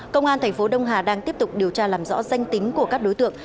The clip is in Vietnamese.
công an thành phố đông hà đang tiếp tục điều tra làm rõ danh tính của các đối tượng